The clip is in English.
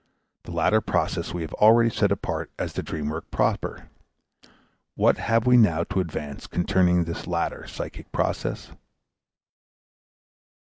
The latter process we have already set apart as the dream work proper. What have we now to advance concerning this latter psychic process?